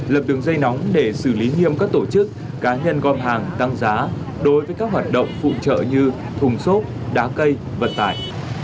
lập đường dây nóng để xử lý nghiêm các tổ chức cá nhân gom hàng tăng giá đối với các hoạt động phụ trợ như thùng xốp đá cây vận tải